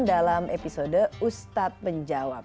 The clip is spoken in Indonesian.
dalam episode ustadz menjawab